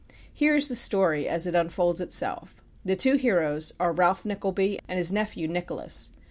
Here is the story as it unfolds itself. The two heroes are Ralph Nickleby and his nephew Nicholas.